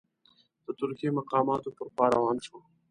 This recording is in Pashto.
د ترکي مقاماتو پر خوا روان شو.